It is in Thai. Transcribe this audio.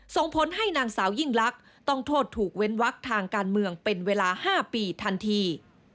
ส่งผลให้นางสาวยิ่งลักษณ์ต้องโทษถูกเว้นวักทางการเมืองเป็นเวลา๕ปีทันที